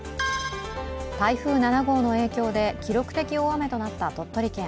台風７号の影響で記録的大雨となった鳥取県。